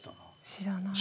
知らない。